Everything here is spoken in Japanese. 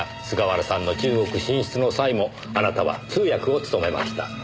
菅原さんの中国進出の際もあなたは通訳を務めました。